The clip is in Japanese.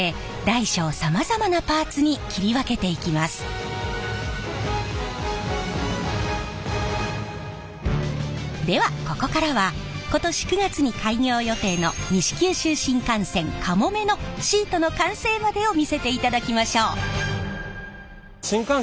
これを列車のではここからは今年９月に開業予定の西九州新幹線「かもめ」のシートの完成までを見せていただきましょう。